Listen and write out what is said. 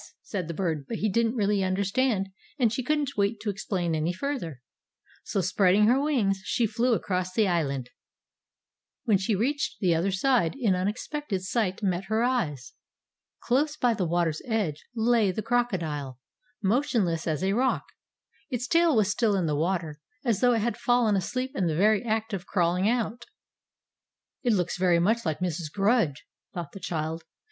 said the Bird, but he didn't really understand, and she couldn't wait to explain any further. So, spreading her wings, she flew across the island. When she reached the other side an unexpected sight met her eyes! Close by the water's edge lay the crocodile, motionless as a rock. Its tail was still in the water, as though it had fallen asleep in the very act of crawling out. "It looks very much like Mrs. Grudge!" thought the child.